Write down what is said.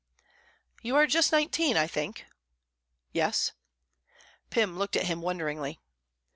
"You are just nineteen, I think?" "Yes." Pym looked at him wonderingly.